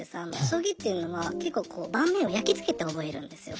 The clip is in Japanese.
将棋っていうのは結構こう盤面を焼き付けて覚えるんですよ。